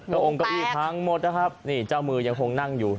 องค์เก้าอี้พังหมดนะครับนี่เจ้ามือยังคงนั่งอยู่